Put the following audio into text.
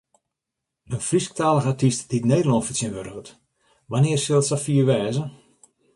In Frysktalige artyst dy’t Nederlân fertsjintwurdiget: wannear sil it safier wêze?